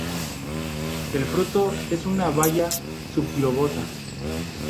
El fruto es una baya, subglobosa.